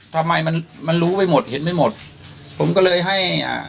ทำไมมันมันรู้ไปหมดเห็นไม่หมดผมก็เลยให้อ่า